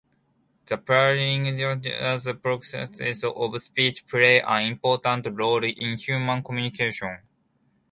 The paralinguistic properties of speech play an important role in human communication.